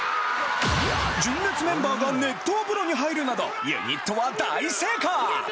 純烈メンバーが熱湯風呂に入るなどユニットは大成功！